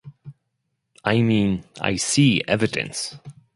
I mean I see evidence.